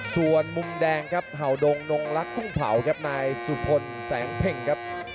ส่วนมุมแดงครับเห่าดงนงลักษ์ทุ่งเผาครับนายสุพลแสงเพ็งครับ